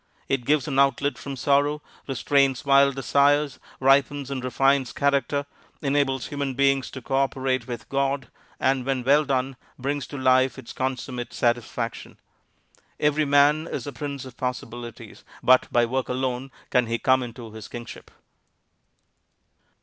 It gives an outlet from sorrow, restrains wild desires, ripens and refines character, enables human beings to cooperate with God, and when well done, brings to life its consummate satisfaction. Every man is a Prince of Possibilities, but by work alone can he come into his Kingship.